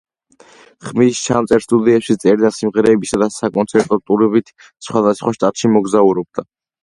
ხმის ჩამწერ სტუდიებში წერდა სიმღერებსა და საკონცერტო ტურებით სხვადასხვა შტატში მოგზაურობდა.